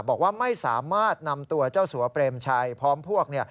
บอกว่าไม่สามารถนำตัวเจ้าสัวเปรมชัยพร้อมพวก